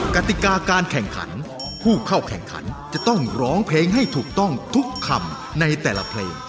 กติกาการแข่งขันผู้เข้าแข่งขันจะต้องร้องเพลงให้ถูกต้องทุกคำในแต่ละเพลง